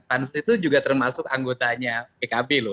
pan sus itu juga termasuk anggotanya pkb loh